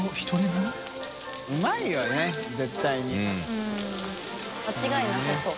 うん間違いなさそう。